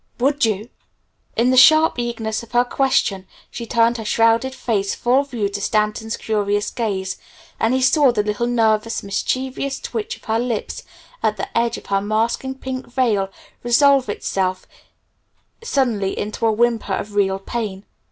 Would you?" In the sharp eagerness of her question she turned her shrouded face full view to Stanton's curious gaze, and he saw the little nervous, mischievous twitch of her lips at the edge of her masking pink veil resolve itself suddenly into a whimper of real pain.